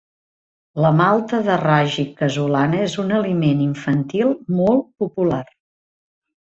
La malta de ragi casolana és un aliment infantil molt popular.